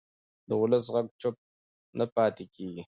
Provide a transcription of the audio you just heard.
د ولس غږ چوپ نه پاتې کېږي